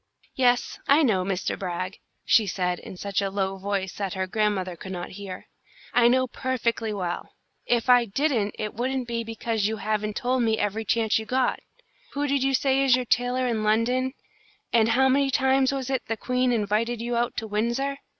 "Yes, I know, Mr. Brag," she said, in such a low voice that her grandmother could not hear. "I know perfectly well. If I didn't it wouldn't be because you haven't told me every chance you got. Who did you say is your tailor in London, and how many times was it the Queen invited you out to Windsor?